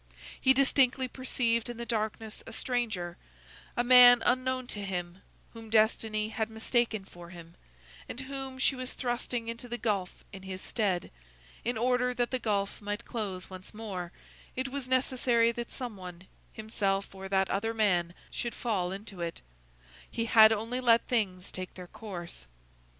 He distinctly perceived in the darkness a stranger, a man unknown to him, whom destiny had mistaken for him, and whom she was thrusting into the gulf in his stead; in order that the gulf might close once more, it was necessary that some one, himself or that other man, should fall into it: he had only let things take their course.